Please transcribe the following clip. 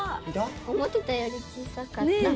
思ってたより小さかった。